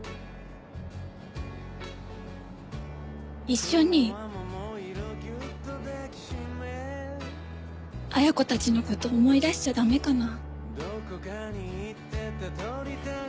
一緒に恵子たちの事思い出しちゃ駄目かな？